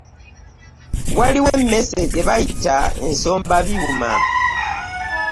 Waliwo emmese gyebayita ensombabyuma.